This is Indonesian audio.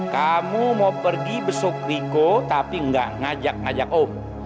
kamu mau pergi besuk rico tapi gak ngajak ngajak om